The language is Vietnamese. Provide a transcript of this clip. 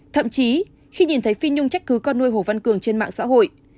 thậm chí khi nhìn thấy phi nhung trách cứ con nuôi hồ văn cường trên mạng xã hội